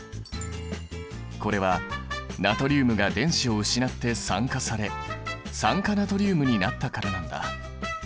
これはナトリウムが電子を失って酸化され酸化ナトリウムになったからなんだ。